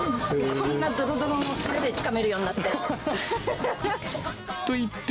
こんなどろどろも素手でつかめるようになって。